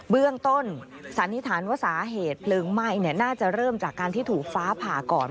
เบื้องต้นสันนิษฐานว่าสาเหตุเพลิงไหม้น่าจะเริ่มจากการที่ถูกฟ้าผ่าก่อน